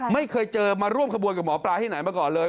ไม่เคยเจอมาร่วมขบวนกับหมอปลาที่ไหนมาก่อนเลย